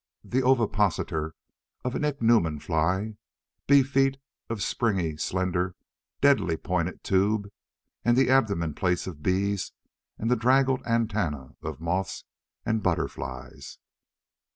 The ovipositor of an ichneumon fly, see feet of springy, slender, deadly pointed tube and the abdomen plates of bees and the draggled antennae of moths and butterflies.